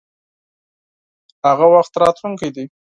هغه وخت راتلونکی دی.